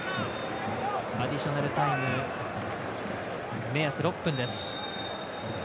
アディショナルタイム目安６分。